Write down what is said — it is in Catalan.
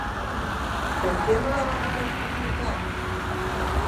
Per què no la va voler publicar?